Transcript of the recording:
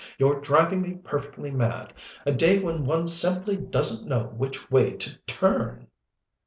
You're driving me perfectly mad a day when one simply doesn't know which way to turn."